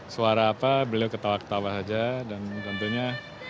suara apa beliau ketawa ketawa saja dan tentunya